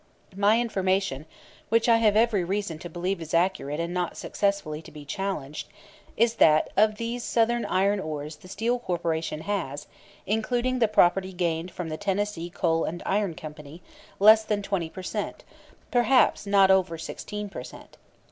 My information, which I have every reason to believe is accurate and not successfully to be challenged, is that, of these Southern iron ores the Steel Corporation has, including the property gained from the Tennessee Coal and Iron Company, less than 20 per cent perhaps not over 16 per cent.